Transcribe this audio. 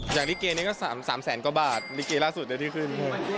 อย่างดีเกย์นี้ก็๓แสนกว่าบาทดีเกย์ล่าสุดในที่ขึ้น